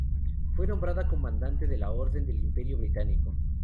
Fue nombrada Comandante de la Orden del Imperio británico.